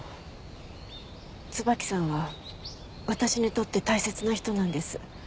椿さんは私にとって大切な人なんです。